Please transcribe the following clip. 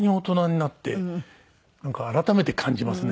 なんか改めて感じますね。